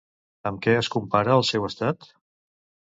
Amb què es compara el seu estat?